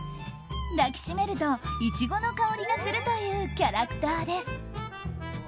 抱きしめるとイチゴの香りがするというキャラクターです。